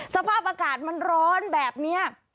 สภาพอากาศมันร้อนแบบนี้